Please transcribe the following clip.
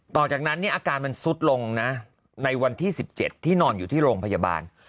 ต่อจากนั้นอาการมันซุดลงนะในวันที่๑๗ที่นอนอยู่ที่โรงพยาบาล